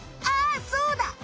ああそうだ！